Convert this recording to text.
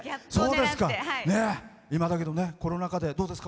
だけどコロナ禍でどうですか？